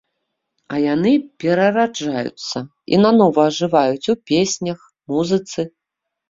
А яны перараджаюцца і нанова ажываюць у песнях, музыцы.